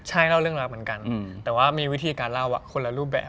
ใช่เล่าเรื่องราวเหมือนกันแต่ว่ามีวิธีการเล่าคนละรูปแบบ